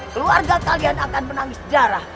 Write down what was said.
keluarga kalian akan menangis jarah